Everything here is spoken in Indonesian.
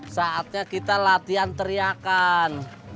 saatnya kita latihan teriakan